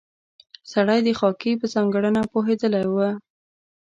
سړی د خاکې په ځانګړنه پوهېدلی و.